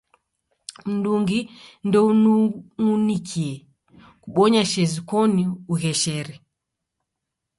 Mndungi ndeunung'unikie kubonya seji koni ugheshere.